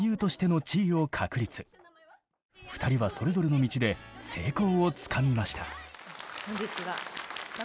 ２人はそれぞれの道で成功をつかみました。